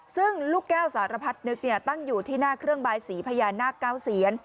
ซึ่งลูกแก้วสารพัดนึกตั้งอยู่ที่หน้าเครื่องบายสีพญานาคเก้าเซียน